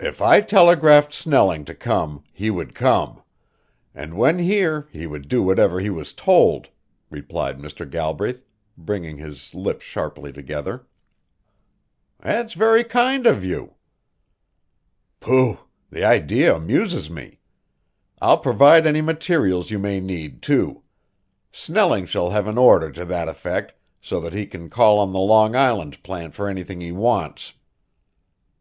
"If I telegraphed Snelling to come he would come; and when here he would do whatever he was told," replied Mr. Galbraith, bringing his lips sharply together. "It's very kind of you!" "Pooh! the idea amuses me. I'll provide any materials you may need, too. Snelling shall have an order to that effect so that he can call on the Long Island plant for anything he wants."